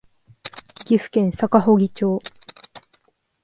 岐阜県坂祝町